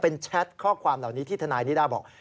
เป็นแชทข้อความเหล่านี้ที่ทนายนิด้าบอก